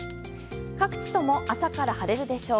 各地とも朝から晴れるでしょう。